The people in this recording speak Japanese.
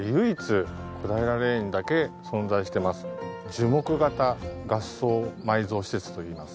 樹木型合葬埋蔵施設といいます。